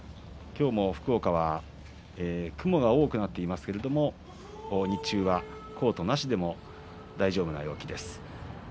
今日も福岡は雲が多くなっていますけれども日中はコートなしでも大丈夫な陽気です。